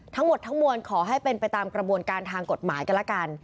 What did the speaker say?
ทั้งหมดทั้งมวลขอให้เป็นไปตามกระบวนการทางกฎหมายกันละกัน